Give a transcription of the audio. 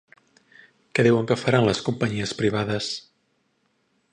Què diuen que faran les companyies privades?